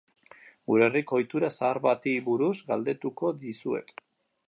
Gure herriko ohitura zahar bati buruz galdetuko dizuet.